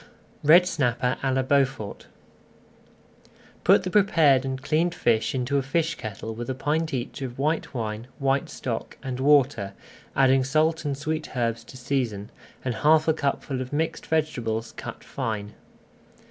RED SNAPPER À LA BEAUFORT Put the prepared and cleaned fish into a fish kettle with a pint each of white wine, white stock, and water, adding salt and sweet herbs to season, and half a cupful of mixed vegetables cut fine.